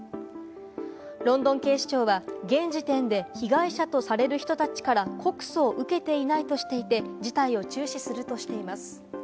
ロンドン警視庁は現時点で被害者とされる人たちから告訴を受けていないとしていて、事態を注視するとしています。